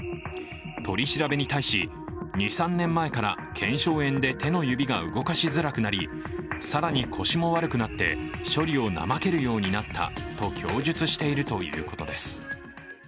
取り調べに対し、２３年前からけんしょう炎で手の指が動かしづらくなり更に、腰も悪くなって処理を怠けるようになったと供述しているということです。